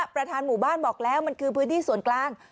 ประธานหมู่บ้านบอกแล้วมันคือพื้นที่ส่วนกลาง